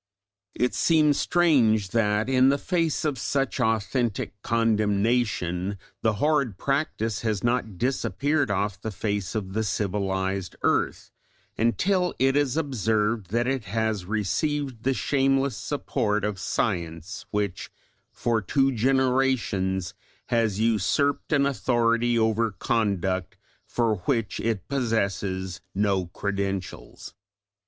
It seems strange that in the face of such authentic condemnation the horrid practice has not disappeared off the face of the civilised earth, until it is observed that it has received the shameless support of science, which for two generations has usurped an authority over conduct for which it possesses no credentials.